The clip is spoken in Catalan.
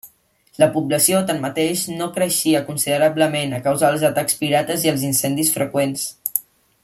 La població, tanmateix, no creixia considerablement, a causa dels atacs pirates i els incendis freqüents.